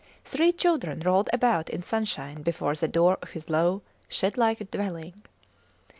Three children rolled about in sunshine before the door of his low, shed like dwelling.